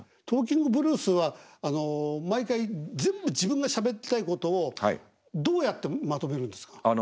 「トーキングブルース」は毎回全部自分がしゃべりたいことをどうやってまとめるんですか？